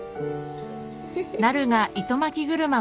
フフ。